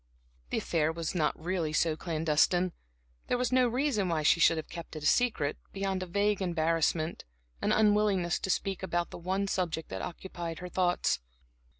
The affair was not really so clandestine. There was no reason why she should have kept it secret beyond a vague embarrassment, an unwillingness to speak about the one subject that occupied her thoughts.